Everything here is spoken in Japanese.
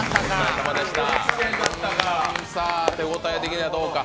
手応え的にはどうか。